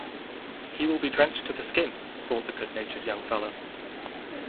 "He will be drenched to the skin," thought the good-natured young fellow.